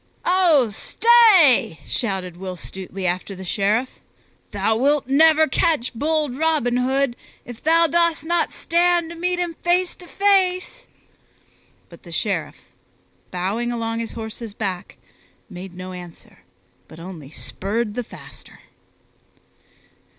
"Oh stay!" shouted Will Stutely after the Sheriff. "Thou wilt never catch bold Robin Hood if thou dost not stand to meet him face to face." But the Sheriff, bowing along his horse's back, made no answer but only spurred the faster.